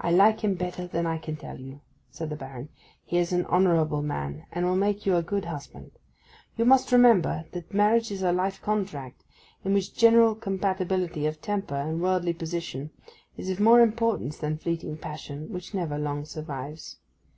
'I like him better than I can tell you,' said the Baron. 'He is an honourable man, and will make you a good husband. You must remember that marriage is a life contract, in which general compatibility of temper and worldly position is of more importance than fleeting passion, which never long survives.